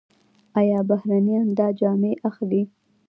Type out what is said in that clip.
آیا بهرنیان دا جامې اخلي؟